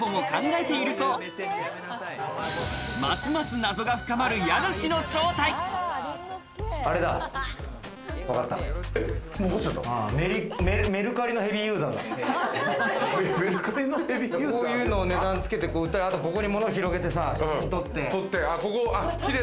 こういうのを値段つけて、ここに物を広げてさ、写真撮って。